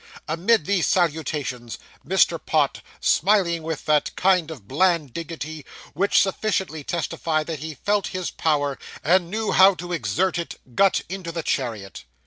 Amid these salutations, Mr. Pott, smiling with that kind of bland dignity which sufficiently testified that he felt his power, and knew how to exert it, got into the chariot.